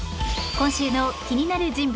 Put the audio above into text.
今週の気になる人物